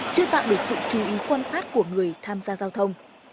chưa tạo được sự chú ý quan sát của người tham gia giao thông